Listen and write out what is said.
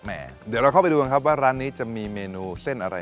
เดี๋ยวเราเข้าไปดูกันครับว่าร้านนี้จะมีเมนูเส้นอะไร